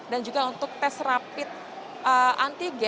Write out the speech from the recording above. dan juga untuk tes rapid antigen